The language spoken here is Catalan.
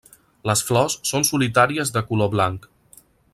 Les flors són solitàries de color blanc.